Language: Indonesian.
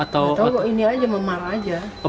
tahu bu ini aja memar aja